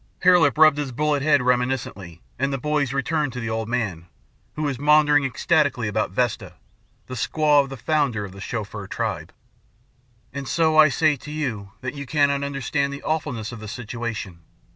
Hare Lip rubbed his bullet head reminiscently, and the boys returned to the old man, who was maundering ecstatically about Vesta, the squaw of the founder of the Chauffeur Tribe. "And so I say to you that you cannot understand the awfulness of the situation.